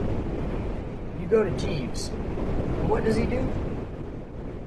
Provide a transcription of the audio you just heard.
You go to Jeeves, and what does he do?